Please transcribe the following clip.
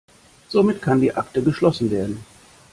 Somit kann die Akte geschlossen werden.